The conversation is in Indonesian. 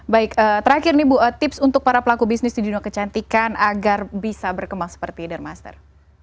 baik terakhir nih bu tips untuk para pelaku bisnis di dunia kecantikan agar bisa berkembang seperti dermaster